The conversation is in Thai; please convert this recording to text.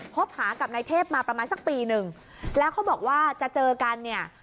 คบหากับนายเทพมาประมาณสักปีหนึ่งแล้วเขาบอกว่าจะเจอกันเนี่ย